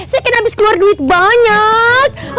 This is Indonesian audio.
saya kena habis keluar duit banyak